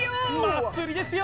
祭りですよ！